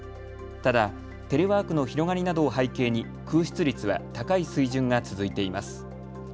ただテレワークの広がりなどを背景に空室率は高い水準が続いています。